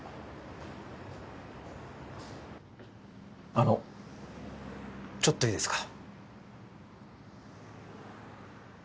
あのちょっといいですか？